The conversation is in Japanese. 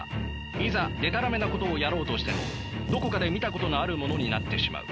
いざでたらめなことをやろうとしてもどこかで見たことのあるものになってしまう。